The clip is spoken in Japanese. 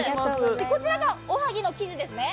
こちらがおはぎの生地ですね。